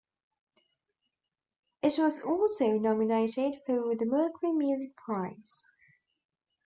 It was also nominated for the Mercury Music Prize.